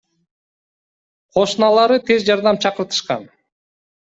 Кошуналары тез жардам чакыртышкан.